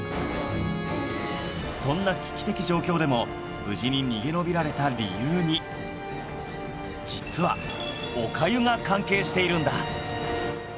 そんな危機的状況でも無事に逃げ延びられた理由に実はおかゆが関係しているんだ